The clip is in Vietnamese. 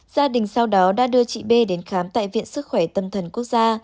gia đình sau đó đã đưa chị b đến khám tại viện sức khỏe tâm thần quốc gia